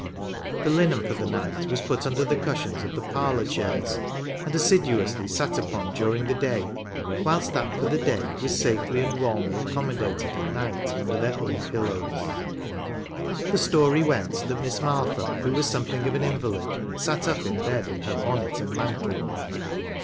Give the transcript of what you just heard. The linen for the night was put under the cushions of the par lour chairs and assiduously sat upon during the day, whilst that for the day was safely and warmly accommodated at night under their own pillows. The story went that Miss Martha, who was something of an invalid, sat up in bed in her bonnet and mantle.